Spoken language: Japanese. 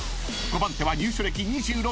［５番手は入所歴２６年］